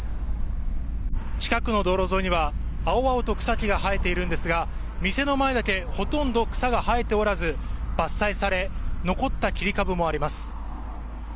近くの道路沿いには青々と草木が生えているんですが店の前だけほとんど草が生えておらず伐採され残った切り株もあります。